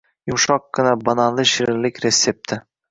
Yumshoqqina bananli shirinlik retsepti